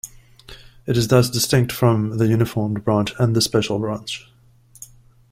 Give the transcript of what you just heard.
It is thus distinct from the Uniformed Branch and the Special Branch.